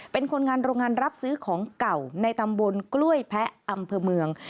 เป็นคนงานโรงงานรับซื้อของเก่าในตำบลกล้วยแพะอำเภอเมือง